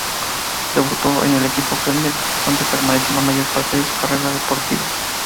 Debutó en el equipo Kelme donde permaneció la mayor parte de su carrera deportiva.